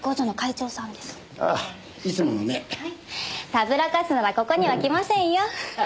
たぶらかすならここには来ませんよ。